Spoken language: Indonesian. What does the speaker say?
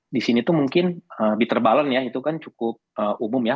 di sini tuh mungkin peter balance ya itu kan cukup umum ya